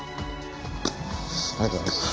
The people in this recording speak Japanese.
ありがとうございます。